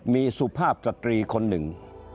มีสุภาพสตรีคนหนึ่ง